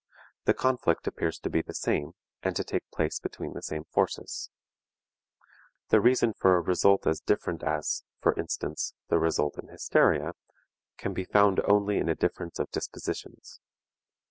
The conflict appears to be the same, and to take place between the same forces. The reason for a result as different as, for instance, the result in hysteria, can be found only in a difference of dispositions.